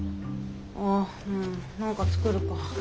あっ何か作るか。